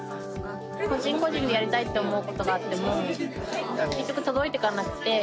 個人個人でやりたいって思うことがあっても結局届いていかなくて。